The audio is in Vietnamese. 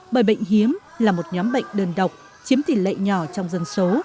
bởi bệnh hiếm là một nhóm bệnh đơn độc chiếm tỷ lệ nhỏ trong dân số